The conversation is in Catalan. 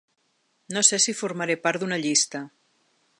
No sé si formaré part d’una llista.